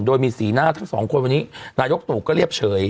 โดยมีสีหน้าทั้งสองคนวันนี้นายกตู่ก็เรียบเฉย